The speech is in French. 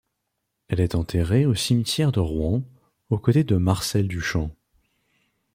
Elle est enterrée au cimetière de Rouen, aux côtés de Marcel Duchamp.